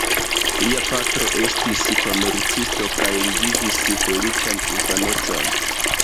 Lia patro estis komercisto kaj li vivis feliĉan infanecon.